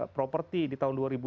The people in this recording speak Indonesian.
property di tahun